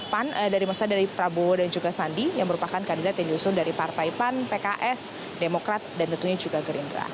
pan dari prabowo dan juga sandi yang merupakan kandidat yang diusung dari partai pan pks demokrat dan tentunya juga gerindra